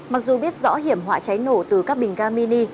mặc dù biết rõ hiểm họa cháy nổ từ các bình ga mini